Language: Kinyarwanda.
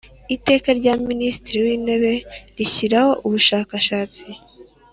Iteka rya Minisitiri w Intebe rishyiraho Umushakashatsi